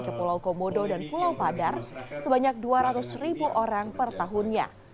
ke pulau komodo dan pulau padar sebanyak dua ratus ribu orang per tahunnya